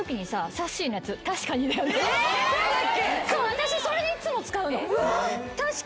私それでいつも使うの。